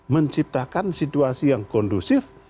menciptakan situasi yang kondusif